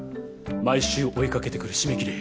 毎週追い掛けてくる締め切り。